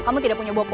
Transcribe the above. kamu tidak punya bopo